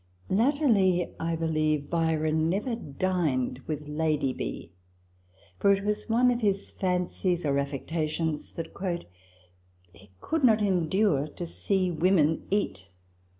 Latterly, I believe, Byron never dined with Lady B. ; for it was one of his fancies (or affectations) that " he could not endure to see women eat."